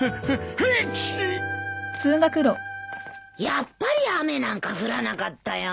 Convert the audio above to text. やっぱり雨なんか降らなかったよ。